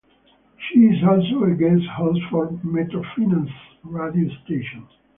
She is also a guest host for MetroFinance radio station.